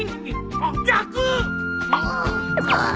あっ逆！